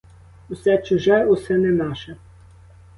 Усе чуже, усе не наше!